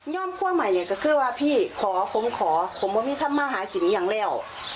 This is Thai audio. คั่วใหม่เนี่ยก็คือว่าพี่ขอผมขอผมว่ามีทำมาหากินอย่างแล้ว